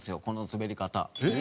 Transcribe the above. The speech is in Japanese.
この滑り方。